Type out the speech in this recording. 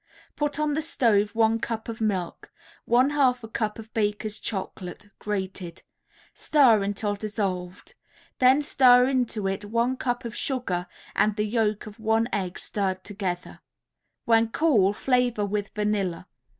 Put on the stove one cup of milk, one half a cup of Baker's Chocolate, grated; stir until dissolved; then stir into it one cup of sugar and the yolk of one egg stirred together; when cool flavor with vanilla.